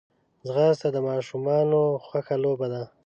ځغاسته د ماشومانو خوښه لوبه ده